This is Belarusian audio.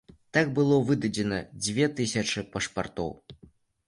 Так было выдадзена дзве тысячы пашпартоў.